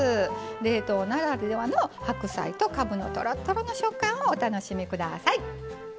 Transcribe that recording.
冷凍ならではの白菜とかぶのとろっとろの食感をお楽しみください。